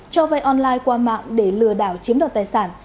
cho vai online qua mạng để lừa đảo chiếm đoàn tài sản